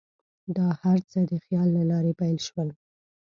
دا هر څه د خیال له لارې پیل شول.